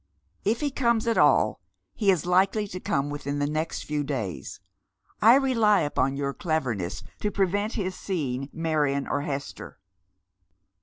If he comes at all, he is likely to come within the next few days. I rely upon your cleverness to prevent his seeing Marion or Hester."